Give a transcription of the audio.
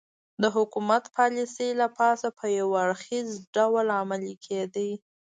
د حکومت پالیسۍ له پاسه په یو اړخیز ډول عملي کېدې